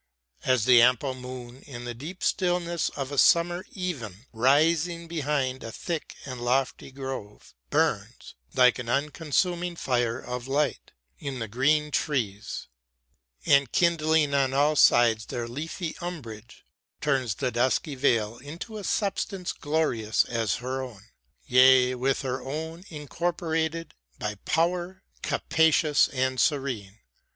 As the ample moon In the deep stillness of a summer even Rising behind a thick and lofty grove. ■ The Retreat.' ii8 WORDSWORTH AS A TEACHER Burns, like an unconsuming fire of light, In the green trees ; and kindling on all sides Their leafy umbrage, turns the dusky veil Into a substance glorious as her own, Yea, with her own incorporated, by power Capacious and serene.